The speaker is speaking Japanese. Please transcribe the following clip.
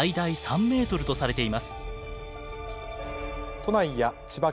都内や千葉県